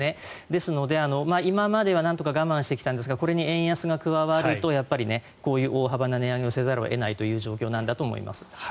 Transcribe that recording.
ですので、今まではなんとか我慢してきたんですがこれに円安が加わるとこういう大幅な値上げをせざるを得ないという状況なんだと思います。